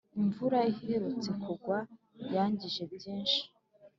Imvura iherutse kugwa yangije byinshi